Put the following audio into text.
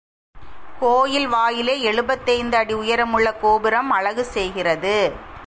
கோயில் வாயிலை எழுபத்தைந்து அடி உயரமுள்ள கோபுரம் அழகுசெய்கிறது.